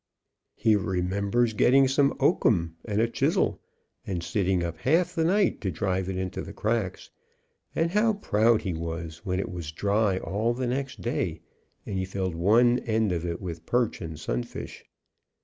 He remembers getting some oakum, and a chisel, and sit ting up half the night to drive it into the cracks, and how proud he was when it was dry all the next day, and he filled one end of it with perch and sunfish.